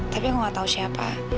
tapi aku gak tahu siapa